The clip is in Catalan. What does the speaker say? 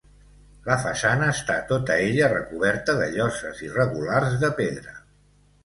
La façana està tota ella recoberta de lloses irregulars de pedra.